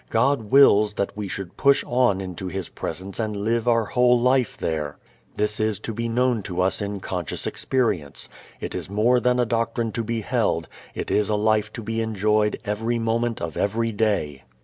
God wills that we should push on into His Presence and live our whole life there. This is to be known to us in conscious experience. It is more than a doctrine to be held, it is a life to be enjoyed every moment of every day.